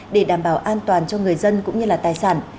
để đảm bảo an toàn cho người dân cũng như là tài sản